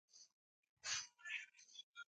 هوا سړه شوه نو اېرکنډیشن بند کړه.